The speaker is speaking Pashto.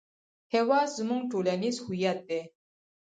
هېواد زموږ ټولنیز هویت دی